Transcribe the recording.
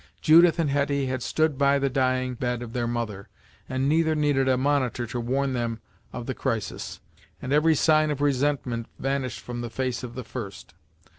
Judith and Hetty had stood by the dying bed of their mother, and neither needed a monitor to warn them of the crisis, and every sign of resentment vanished from the face of the first.